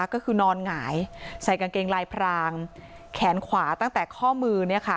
ก็คือนอนหงายใส่กางเกงลายพรางแขนขวาตั้งแต่ข้อมือ